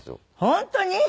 本当に？